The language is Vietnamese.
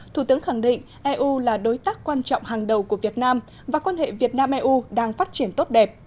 thủ tướng khẳng định eu là đối tác quan trọng hàng đầu của việt nam và quan hệ việt nam eu đang phát triển tốt đẹp